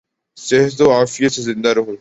صحت و عافیت سے زندہ رہوں